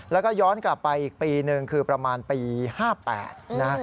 แล้วก็ย้อนกลับไปอีกปีหนึ่งคือประมาณปี๕๘นะ